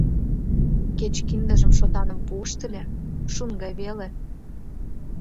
— Кеч киндыжым шотаным пуышт ыле, шун гай веле...